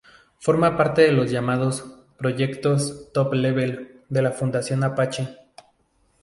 Forma parte de los llamados "Proyectos Top Level" de la Fundación Apache.